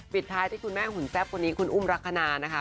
ปิดท้ายที่คุณแม่หุ่นแซ่บคนนี้คุณอุ้มลักษณะนะคะ